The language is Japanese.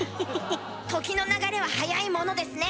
時の流れは早いものですね。